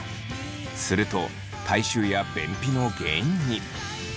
すると体臭や便秘の原因に。